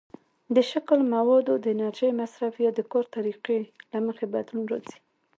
د شکل، موادو، د انرژۍ مصرف، یا د کار طریقې له مخې بدلون راځي.